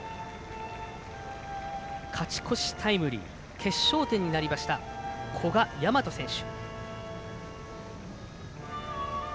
勝ち越しタイムリー決勝点になりました古賀也真人選手。